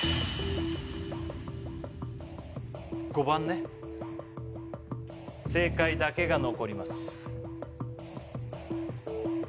５番ね正解だけが残ります